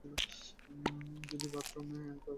যদি বাথরুমে যাওয়ার দরকার পড়ে?